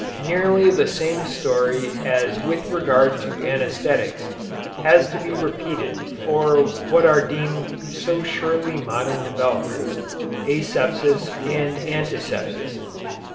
Nearly the same story as with regard to anæsthetics has to be repeated for what are deemed so surely modern developments, asepsis and antisepsis.